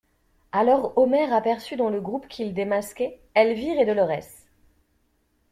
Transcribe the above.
Alors Omer aperçut dans le groupe qu'ils démasquaient Elvire et Dolorès.